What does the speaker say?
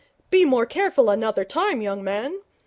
Be more careful another time, young man.